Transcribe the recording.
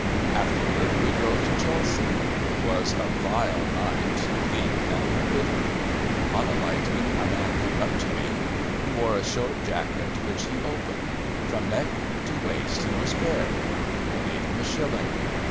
Afterward we drove to Chelsea. It was a vile night, bleak and bitter. On alighting, a man came up to me. He wore a short jacket which he opened. From neck to waist he was bare. I gave him a shilling.